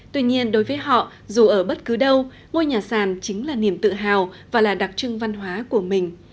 tuy nhiên đối với họ dù ở bất cứ đâu ngôi nhà sàn chính là niềm tự hào và là đặc trưng văn hóa của mình